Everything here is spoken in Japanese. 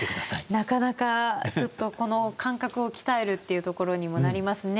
なかなかちょっと感覚を鍛えるっていうところにもなりますね。